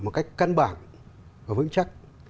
một cách căn bản và vững chắc